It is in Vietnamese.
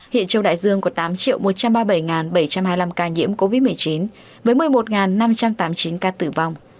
hiện châu đại dương có tám một trăm ba mươi bảy bảy trăm hai mươi năm ca nhiễm covid một mươi chín với một mươi một năm trăm tám mươi chín ca tử vong